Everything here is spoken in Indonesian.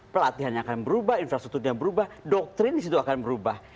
pelatihannya akan berubah infrastrukturnya berubah doktrin di situ akan berubah